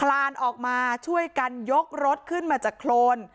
ลานออกมาช่วยกันยกรถขึ้นมาจากโครน